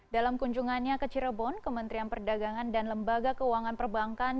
dalam kunjungannya ke cirebon kementerian perdagangan dan lembaga keuangan perbankan